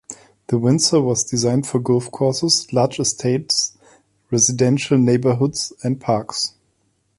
The Windsor was designed for golf courses, large estates, residential neighbourhoods and parks.